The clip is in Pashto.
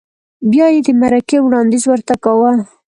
بیا یې د مرکې وړاندیز ورته کاوه؟